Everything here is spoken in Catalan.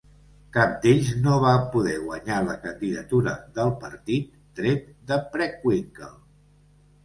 Cap d'ells no va poder guanyar la candidatura del partit, tret de Preckwinkle.